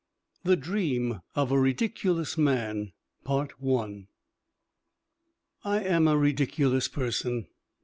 THE DREAM OF A RIDICULOUS MAN I I am a ridiculous person.